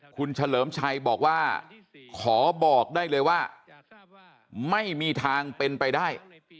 คุณเฉลิมชัยบอกว่าขอบอกได้เลยว่าไม่มีทางเป็นไปได้